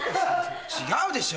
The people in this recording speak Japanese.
違うでしょ。